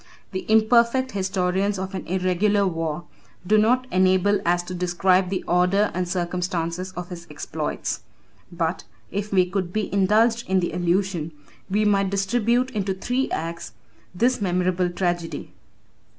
The imperfect historians of an irregular war 13 do not enable us to describe the order and circumstances of his exploits; but, if we could be indulged in the allusion, we might distribute into three acts this memorable tragedy.